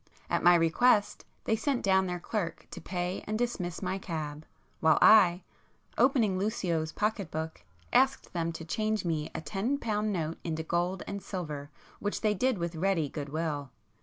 At my request they sent down their clerk to pay and dismiss my cab, while I, opening Lucio's pocket book, asked them to change me a ten pound note into gold and silver which they did with ready good will.